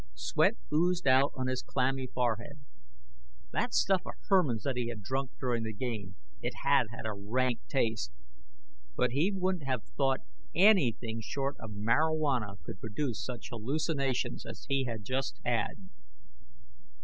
Sweat oozed out on his clammy forehead. That stuff of Herman's that he had drunk during the game it had had a rank taste, but he wouldn't have thought anything short of marihuana could produce such hallucinations as he had just had.